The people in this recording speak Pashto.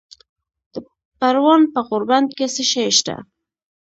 د پروان په غوربند کې څه شی شته؟